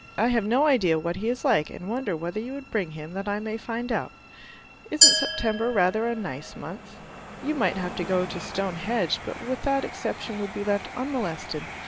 I have no idea what he is like, and wonder whether you would bring him that I may find out. Isn't September rather a nice month? You might have to go to Stone Henge, but with that exception would be left unmolested.